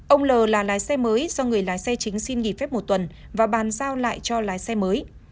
ông l là lái xe mới do người lái xe chính xin nghỉ phép một tuần và bàn giao lại cho lái xe mới